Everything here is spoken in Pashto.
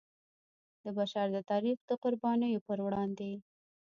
د بشر د تاریخ د قربانیو پر وړاندې.